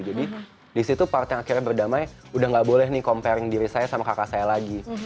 jadi disitu part yang akhirnya berdamai udah gak boleh nih comparing diri saya sama kakak saya lagi